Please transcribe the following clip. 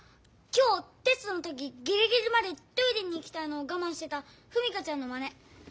今日テストの時ギリギリまでトイレに行きたいのをがまんしてた史佳ちゃんのまね。